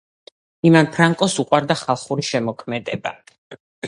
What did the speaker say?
ივან ფრანკოს უყვარდა ხალხური შემოქმედება.